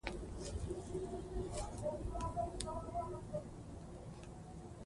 باید ټولو نجونو ته د تعلیم اجازه ورکړل شي.